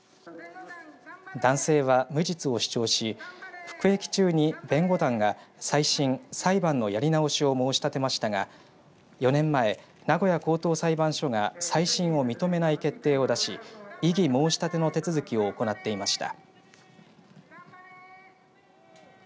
男性は無実を主張し服役中に弁護団が再審、裁判のやり直しを申し立てましたが４年前、名古屋高等裁判所が再審を認めない決定を出し異議申し立ての手続きを行っていました。